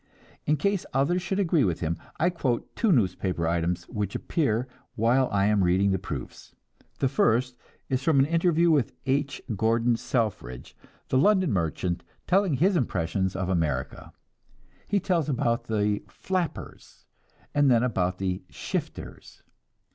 In case others should agree with him, I quote two newspaper items which appear while I am reading the proofs. The first is from an interview with H. Gordon Selfridge, the London merchant, telling his impressions of America. He tells about the "flappers," and then about the "shifters."